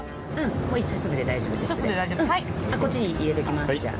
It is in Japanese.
こっちに入れておきますじゃあ。